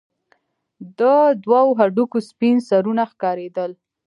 د دوو هډوکو سپين سرونه ښكارېدل.